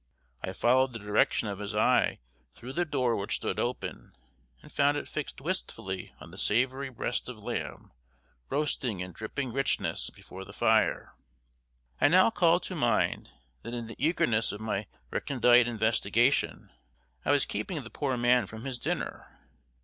I followed the direction of his eye through the door which stood open, and found it fixed wistfully on the savory breast of lamb, roasting in dripping richness before the fire. I now called to mind that in the eagerness of my recondite investigation, I was keeping the poor man from his dinner.